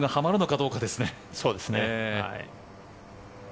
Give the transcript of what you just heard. そうですね。